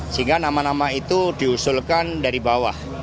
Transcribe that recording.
sehingga nama nama itu diusulkan dari bawah